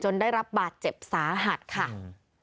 จนได้รับบาดเจ็บสาหัดค่ะ